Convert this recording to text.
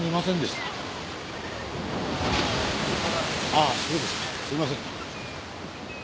すいません。